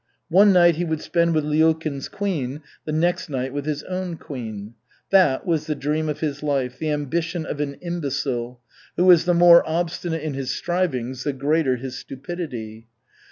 One night he would spend with Lyulkin's queen, the next night with his own queen. That was the dream of his life, the ambition of an imbecile, who is the more obstinate in his strivings the greater his stupidity.